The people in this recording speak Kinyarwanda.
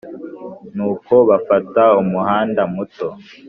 nuko bafata umuhanda muto